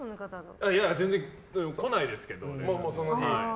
全然、来ないですけど。